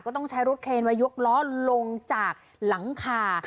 ต้องใช้รถเคนมายกล้อลงจากหลังคา